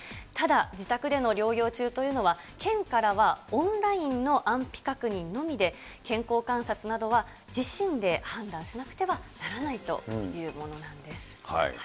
ただ、自宅での療養中というのは、県からはオンラインの安否確認のみで、健康観察などは自身で判断しなくてはならないというものなんです。